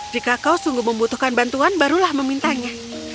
jika kau sungguh membutuhkan bantuan barulah memintanya